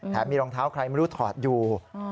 มีรองเท้าใครไม่รู้ถอดอยู่